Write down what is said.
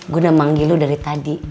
gue udah manggil lu dari tadi